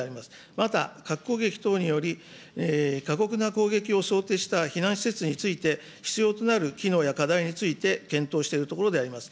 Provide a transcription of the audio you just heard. また、核攻撃等により、過酷な攻撃を想定した避難施設について、必要となる機能や課題について検討しているところであります。